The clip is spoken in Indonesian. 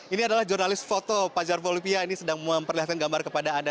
ini adalah jurnalis foto fajar bolivia ini sedang memperlihatkan gambar kepada anda